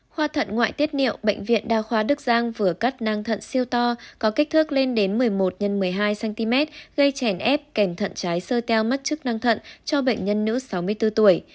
khoa thận ngoại tiết niệu bệnh viện đa khoa đức giang vừa cắt năng thận siêu to có kích thước lên đến một mươi một x một mươi hai cm gây chèn ép kèm thận trái sơ teo mắt chức năng thận cho bệnh nhân nữ sáu mươi bốn tuổi